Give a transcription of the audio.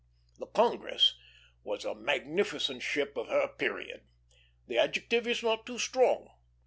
The Congress was a magnificent ship of her period. The adjective is not too strong.